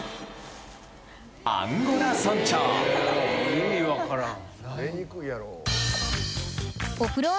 意味わからん。